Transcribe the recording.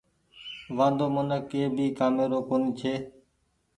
وآندو منک ڪي ڀي ڪآمي رو ڪونيٚ ڇي۔